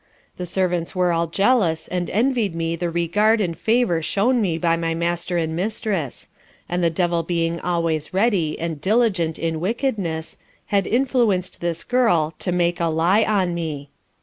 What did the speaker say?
The servants were all jealous, and envied me the regard, and favour shewn me by my master and mistress; and the Devil being always ready, and diligent in wickedness, had influenced this girl, to make a lye on me.